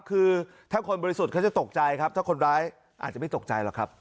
คือถ้าคนบริสุทธิ์เขาจะตกใจครับถ้าคนร้ายอาจจะไม่ตกใจหรอกครับ